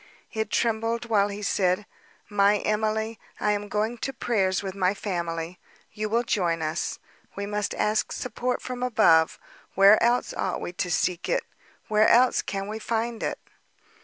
It trembled while he said, "My Emily, I am going to prayers with my family; you will join us. We must ask support from above. Where else ought we to seek it—where else can we find it?"